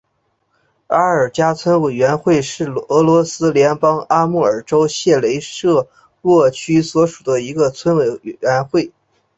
阿尔加村委员会是俄罗斯联邦阿穆尔州谢雷舍沃区所属的一个村委员会。